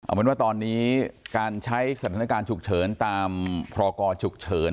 เอาเป็นว่าตอนนี้การใช้สถานการณ์ฉุกเฉินตามพรกรฉุกเฉิน